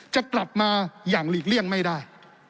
จะกลับมาอย่างหลีกเลี่ยงไม่ได้